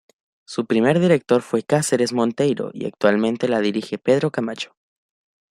Su primer director fue Cáceres Monteiro y actualmente la dirige Pedro Camacho.